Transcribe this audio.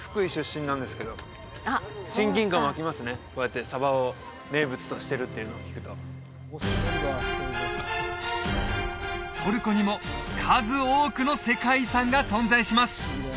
身なんですけど親近感湧きますねこうやってサバを名物としてるっていうのを聞くとトルコにも数多くの世界遺産が存在します